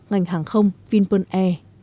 ngành hàng không vinpearl air